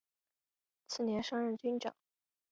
次年升任军长。